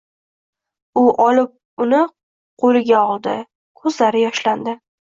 U olib uni ko'liga oldi, ko'zlari yoshlandi.